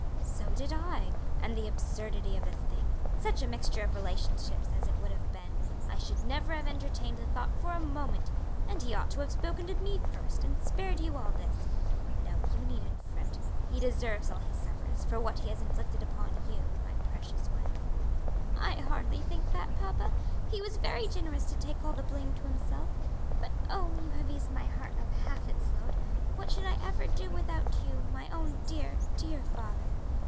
"So did I. And the absurdity of the thing! Such a mixture of relationships as it would have been! I should never have entertained the thought for a moment. And he ought to have spoken to me first, and spared you all this. No, you needn't fret; he deserves all he suffers, for what he has inflicted upon you, my precious one." "I hardly think that, papa; he was very generous to take all the blame to himself; but oh, you have eased my heart of half its load. What should I ever do without you, my own dear, dear father!"